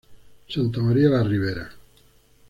Santa María La Ribera.